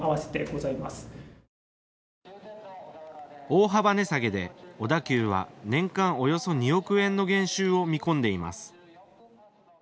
大幅値下げで小田急は年間およそ２億円の減収を見込んでいます。